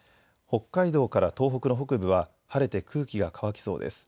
北海道から東北の北部は晴れて空気が乾きそうです。